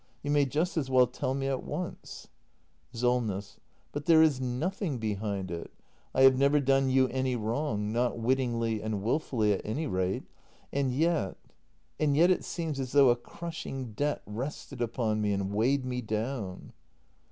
You may just as well tell me at once. Solness. But there i s nothing behind it! I have never done you any wrong — not wittingly and wilfully, at any rate. And yet — and yet it seems as though a crushing debt rested upon me and weighed me down.